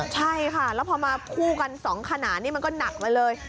ใช่ค่ะแล้วพอมาคู่กัน๒ขนานนี่มันก็หนักไปเลย